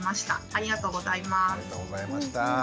ありがとうございます。